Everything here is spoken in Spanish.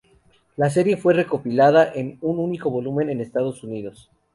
La serie fue recopilada en un único volumen en Estados Unidos.